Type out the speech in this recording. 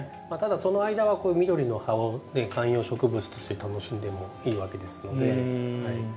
ただその間はこういう緑の葉を観葉植物として楽しんでもいいわけですので。